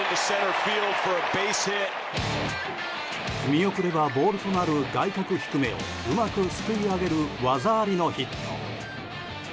見送ればボールとなる外角低めをうまくすくい上げる技ありのヒット。